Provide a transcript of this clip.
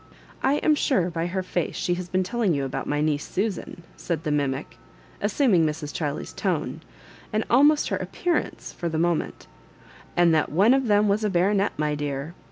I am sure bj her face she has been telling you about mj niece Susan," said the mimic, as suming Mrs. Chilej^s tone, and almost her ap pearance, for the moment, " and that one of them was a baronet, my dear.